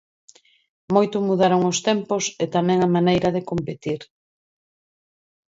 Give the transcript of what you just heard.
Moito mudaron os tempos e tamén a maneira de competir.